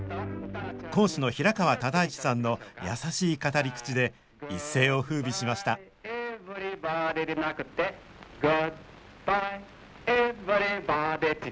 講師の平川唯一さんの優しい語り口で一世をふうびしました「グッバイエヴリバディ」